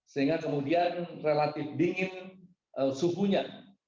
sehingga kemudian relatif dingin suhunya